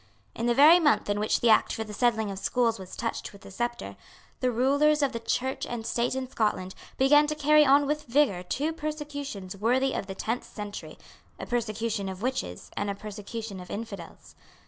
In the very month in which the Act for the settling of Schools was touched with the sceptre, the rulers of the Church and State in Scotland began to carry on with vigour two persecutions worthy of the tenth century, a persecution of witches and a persecution of infidels.